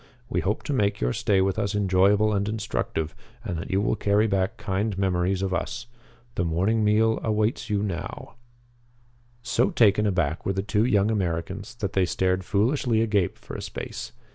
We hope to make your stay with us enjoyable and instructive, and that you will carry back kind memories of us. The morning meal awaits you now." So taken aback were the two young Americans that they stared foolishly agape for a space.